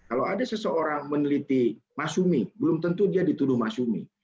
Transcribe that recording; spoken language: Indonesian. kalau ada seseorang meneliti mas sumi belum tentu dia dituduh mas umi